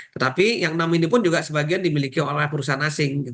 tetapi yang enam ini pun juga sebagian dimiliki oleh perusahaan asing